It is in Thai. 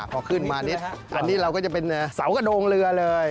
พอขึ้นมานิดอันนี้เราก็จะเป็นเสากระโดงเรือเลย